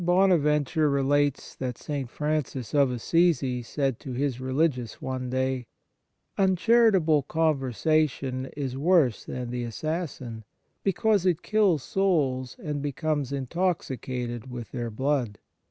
BONAVENTURE relates that St. Francis of Assisi said to his religious one day :" Un charitable conversation is worse than the assassin, because it kills souls and becomes intoxicated with their blood.